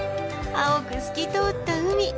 青く透き通った海！